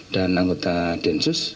dan anggota densus